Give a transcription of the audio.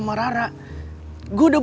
kak jangan dong